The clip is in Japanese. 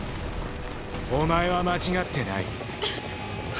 お前は間違ってない。